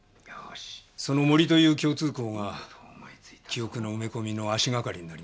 その森という共通項が記憶の埋め込みの足がかりになりました。